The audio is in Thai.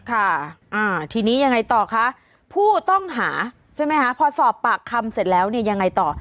ค่ะอ่าทีนี้ยังไงต่อคะผู้ต้องหาใช่ไหมคะพอสอบปากคำเสร็จแล้วเนี่ยยังไงต่อ